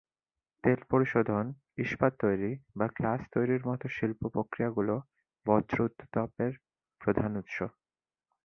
তেল পরিশোধন, ইস্পাত তৈরি বা গ্লাস তৈরির মতো শিল্প প্রক্রিয়াগুলি বর্জ্য উত্তাপের প্রধান উৎস।